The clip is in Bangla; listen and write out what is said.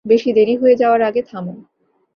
বেশি দেরী হয়ে যাওয়ার আগে, থামো।